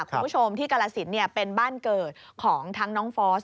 คุณผู้ชมที่กรสินเป็นบ้านเกิดของทั้งน้องฟอส